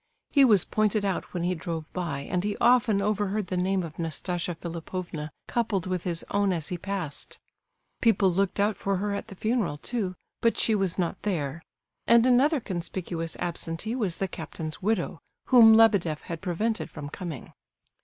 He was pointed out when he drove by, and he often overheard the name of Nastasia Philipovna coupled with his own as he passed. People looked out for her at the funeral, too, but she was not there; and another conspicuous absentee was the captain's widow, whom Lebedeff had prevented from coming.